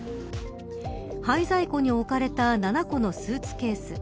廃在庫に置かれた７個のスーツケース。